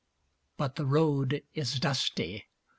But the road is dusty.